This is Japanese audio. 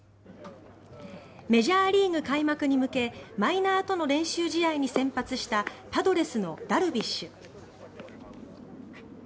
メジャーリーグ開幕に向けマイナーとの練習試合に先発したパドレスのダルビッシュ。